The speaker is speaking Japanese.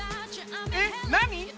えっ何？